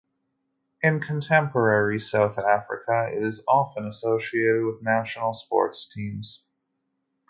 In contemporary South Africa it is often associated with national sports teams.